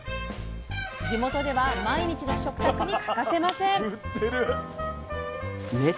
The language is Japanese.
地元では毎日の食卓に欠かせません。